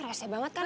reset banget kan ya